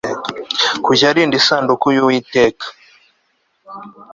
kujya arinda isanduku y uwiteka